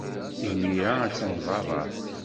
Imir-a, attan beṛṛa.